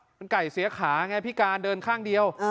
มันไก่เสียขาไงพิการเดินข้างเดียว